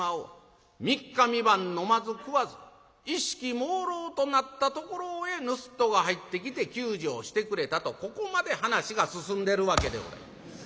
三日三晩飲まず食わず意識もうろうとなったところへぬすっとが入ってきて救助をしてくれたとここまで噺が進んでるわけでございます。